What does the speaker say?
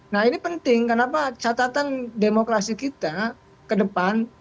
nah ini penting kenapa catatan demokrasi kita ke depan